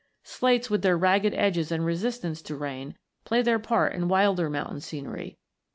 Slates, with their ragged edges and resistance to rain, play their part in wilder mountain scenery.